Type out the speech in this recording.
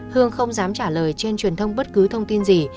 hương không dám trả lời trên truyền thông bất cứ thông tin gì